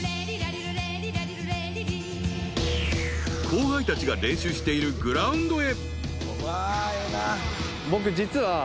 ［後輩たちが練習しているグラウンドへ］